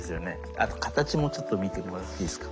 あと形もちょっと見てもらっていいですか。